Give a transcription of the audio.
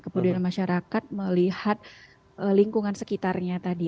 kemudian masyarakat melihat lingkungan sekitarnya tadi